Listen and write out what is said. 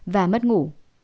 và mất ngủ